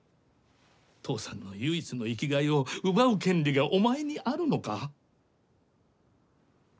父さんの唯一の生きがいを奪う権利がお前にあるのか？